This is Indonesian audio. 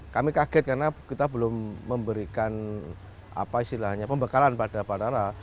kami kaget karena kita belum memberikan apa istilahnya pembekalan pada bandara